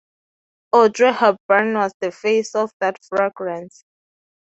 Audrey Hepburn was the face of that fragrance.